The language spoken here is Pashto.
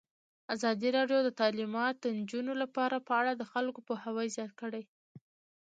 ازادي راډیو د تعلیمات د نجونو لپاره په اړه د خلکو پوهاوی زیات کړی.